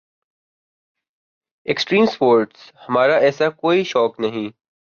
extreme sports ہمارا ایسا کوئی شوق نہیں